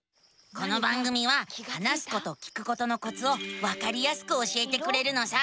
この番組は話すこと聞くことのコツをわかりやすく教えてくれるのさ。